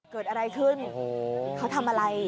เกิดอะไรขึ้นเขาทำอะไร